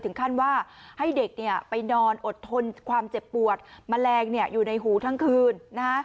ถึงขั้นว่าให้เด็กไปนอนอดทนความเจ็บปวดแมลงอยู่ในหูทั้งคืน